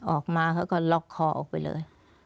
ออกมาเขาก็ล็อกคอออกไปเลย